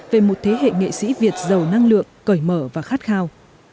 về một thế hệ nghệ sĩ việt giàu năng lượng cởi mở và khát khao